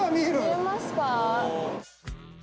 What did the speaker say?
見えますか？